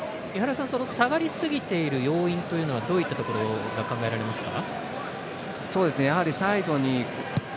下がりすぎている要因というのはどういったところが考えられますか？